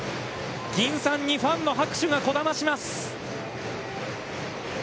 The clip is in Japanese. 銀傘にファンの拍手がこだまします。